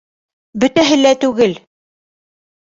Бөтәһе лә түгел.